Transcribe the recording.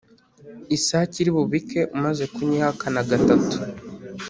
isake iri bubike umaze kunyihakana gatatu